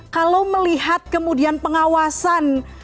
kalau melihat kemudian pengawasan